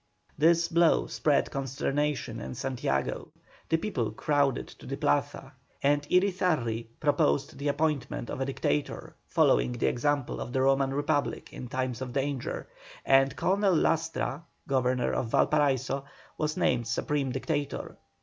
This blow spread consternation in Santiago. The people crowded to the Plaza, and Irizarri proposed the appointment of a Dictator, following the example of the Roman Republic in times of danger, and Colonel Lastra, Governor of Valparaiso, was named Supreme Director.